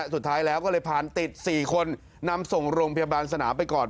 สุดท้ายแล้วก็เลยผ่านติด๔คนนำส่งโรงพยาบาลสนามไปก่อน